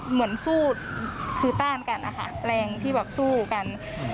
เหมือนสู้คือต้านกันนะคะแรงที่แบบสู้กัน